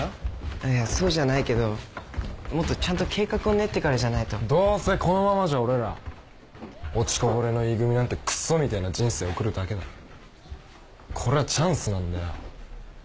いやそうじゃないけどもっとちゃんと計画を練ってからじゃないとどうせこのままじゃ俺ら落ちこぼれのＥ組なんてクソみてえな人生送るだけだこりゃチャンスなんだよ